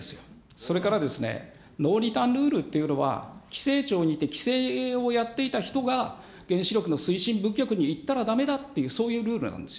それから、ノーリターンルールというのは、規制庁にて規制をやっていた人が、原子力の推進部局に行ったらだめだという、そういうルールなんですよ。